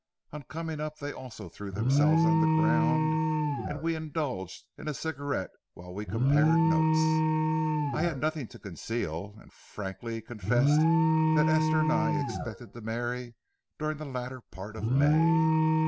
On coming up they also threw themselves on the ground, and we indulged in a cigarette while we compared notes. I had nothing to conceal, and frankly confessed that Esther and I expected to marry during the latter part of May.